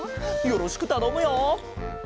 よろしくたのむよ。